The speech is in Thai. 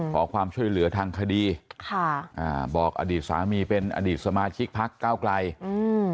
ขอความช่วยเหลือทางคดีค่ะอ่าบอกอดีตสามีเป็นอดีตสมาชิกพักเก้าไกลอืม